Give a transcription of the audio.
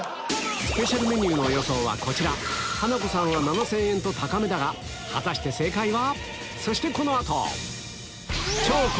スペシャルメニューの予想はこちらハナコさんは７０００円と高めだが果たして正解は？